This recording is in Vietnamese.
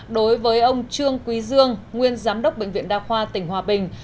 đối với ông trương quý dương nguyên giám đốc bệnh viện đa khoa tỉnh hòa bình